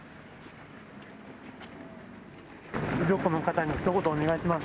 遺族の方にひと言お願いします。